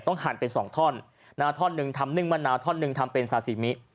ต้องหั่นเป็น๒ท่อนท่อนึงทำนึ่งมะนาวท่อนึงทำเป็นซาซิมิ